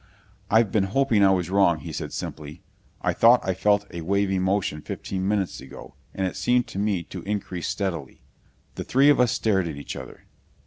"I've been hoping I was wrong," he said simply. "I thought I felt a wavy motion fifteen minutes ago, and it seemed to me to increase steadily." The three of us stared at each other.